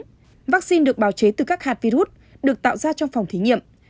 vaccine được bào chế từ các hạt virus được tạo ra trong phòng thí nghiệm